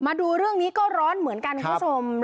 มาดูเรื่องนี้ก็ร้อนเหมือนกันคุณผู้ชม